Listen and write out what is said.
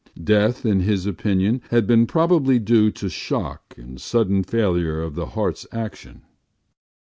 Death, in his opinion, had been probably due to shock and sudden failure of the heart’s action.